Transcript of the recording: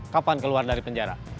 kapan keluar dari penjara